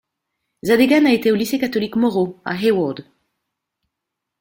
Zadegan a été au lycée catholique Moreau à Hayward.